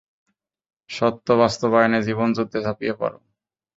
সত্য বাস্তবায়নে জীবনযুদ্ধে ঝাঁপিয়ে পড়।